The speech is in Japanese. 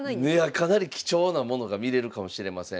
かなり貴重なものが見れるかもしれません。